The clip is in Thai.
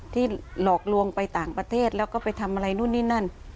หลอกลวงไปต่างประเทศแล้วก็ไปทำอะไรนู่นนี่นั่น